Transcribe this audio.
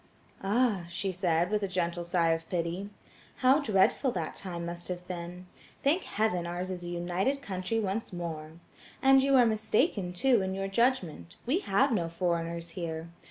"Ah!" she said, with a gentle sigh of pity, "how dreadful that time must have been. Thank heaven, ours is a united country once more. And you are mistaken, too, in your judgment: we have no foreigners here.